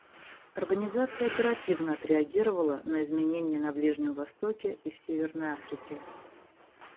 Организация оперативно отреагировала на изменения на Ближнем Востоке и в Северной Африке.